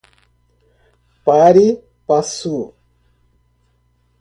pari passu